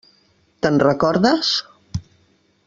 Te'n recordes?